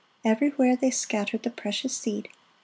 Everywhere they scattered the precious seed.